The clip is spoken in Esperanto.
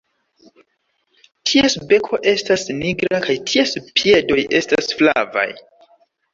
Ties beko estas nigra kaj ties piedoj estas flavaj.